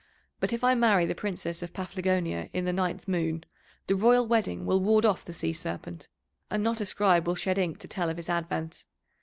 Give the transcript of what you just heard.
But if I marry the Princess of Paphlagonia in the ninth moon, the Royal Wedding will ward off the Sea Serpent, and not a scribe will shed ink to tell of his advent.